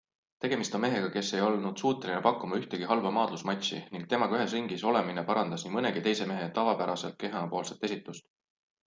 Tegemist on mehega, kes ei olnud suuteline pakkuma ühtegi halba maadlusmatši ning temaga ühes ringis olemine parandas nii mõnegi teise mehe tavapäraselt kehvemapoolset esitust.